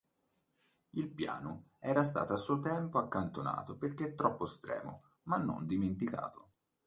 Il piano era stato a suo tempo accantonato perché troppo estremo, ma non dimenticato.